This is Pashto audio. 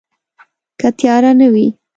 که تیاره نه وي